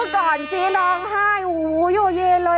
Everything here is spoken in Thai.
และในกลางคือ